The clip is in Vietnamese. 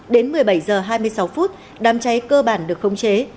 đến một mươi bảy h hai mươi sáu phút đám cháy cơ bản được khống chế